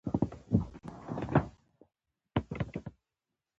نو هغه کله داسې پوښتنه کوي؟؟